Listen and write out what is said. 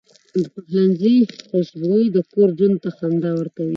د پخلنځي خوشبويي د کور ژوند ته خندا ورکوي.